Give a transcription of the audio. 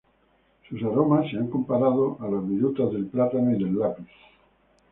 Sus aromas se han comparado a las virutas del plátano y del lápiz.